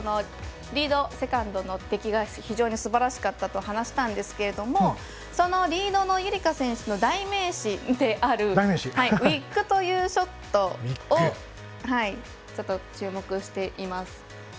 リード、セカンドの出来が非常にすばらしかったと話したんですがそのリードの夕梨花選手の代名詞であるウイックというショットを注目しています。